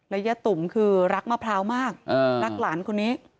ยะตุ๋มคือรักมะพร้าวมากรักหลานคนนี้